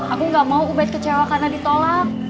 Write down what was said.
aku gak mau ubed kecewa karena ditolak